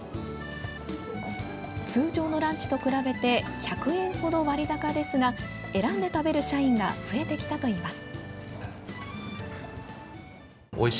通常のランチと比べて１００円ほど割高ですが選んで食べる社員が増えてきたといいます。